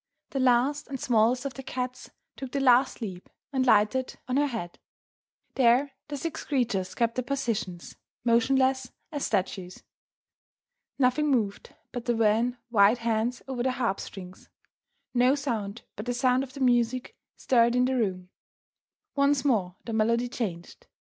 The last and smallest of the cats took the last leap, and lighted on her head! There the six creatures kept their positions, motionless as statues! Nothing moved but the wan, white hands over the harp strings; no sound but the sound of the music stirred in the room. Once more the melody changed.